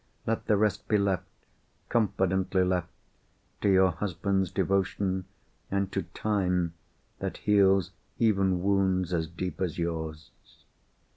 Let the rest be left, confidently left, to your husband's devotion, and to Time that heals even wounds as deep as yours."